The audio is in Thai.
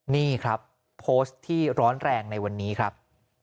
นี่ครับโพสต์ที่ร้อนแรงในวันนี้ครับ